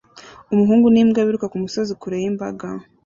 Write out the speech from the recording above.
Umuhungu n'imbwa biruka kumusozi kure y'imbaga